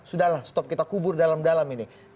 sudahlah stop kita kubur dalam dalam ini